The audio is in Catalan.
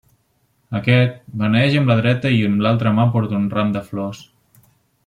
Aquest, beneeix amb la dreta i amb l'altra mà porta un ram de flors.